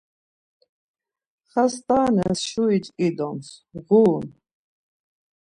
Xastanes şuri ç̌ǩidoms, ğurun.